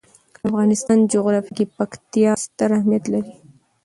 د افغانستان جغرافیه کې پکتیا ستر اهمیت لري.